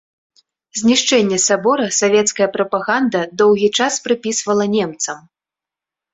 Знішчэнне сабора савецкая прапаганда доўгі час прыпісвала немцам.